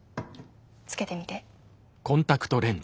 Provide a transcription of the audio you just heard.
つけてみて。